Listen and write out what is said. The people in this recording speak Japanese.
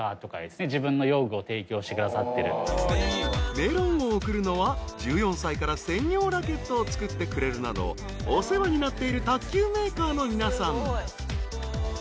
［メロンを送るのは１４歳から専用ラケットを作ってくれるなどお世話になっている卓球メーカーの皆さん］